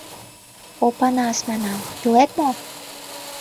— Опанас, — манам, — илет мо?